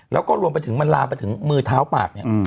แล้วก็รวมไปถึงมันลามไปถึงมือเท้าปากเนี่ย